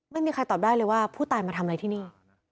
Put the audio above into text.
ไม่มีใครตอบได้เลยว่าผู้ตายมาทำอะไรที่นี่